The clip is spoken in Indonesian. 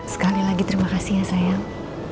sekali lagi terima kasih ya sayang